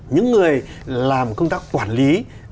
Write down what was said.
những người làm công tác quản lý